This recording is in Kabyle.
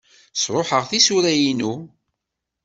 Sṛuḥeɣ tisura-inu.